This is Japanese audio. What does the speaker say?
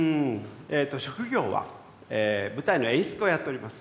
えっと職業は舞台の演出家をやっております。